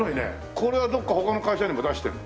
これはどっか他の会社にも出してるの？